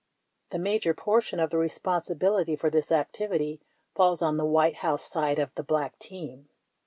The major portion of the responsibility for this activity falls on the White House side of the Black team.